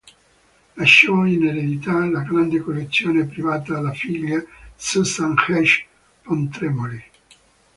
Lasciò in eredità la grande collezione privata alla figlia Suzanne Hecht Pontremoli.